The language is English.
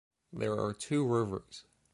There are two rivers.